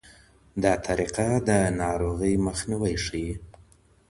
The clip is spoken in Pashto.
دا طریقه د ناروغۍ مخنیوی ښيي.